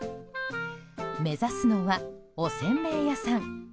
目指すのは、おせんべい屋さん。